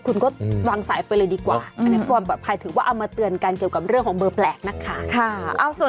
คุณก็วางสายไปเลยดีกว่าอันนั้นความปลอดภัยถือว่าเอามาเตือนกันเกี่ยวกับเรื่องของเบอร์แปลกนะคะ